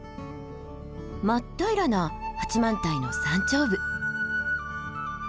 真っ平らな八幡平の山頂部。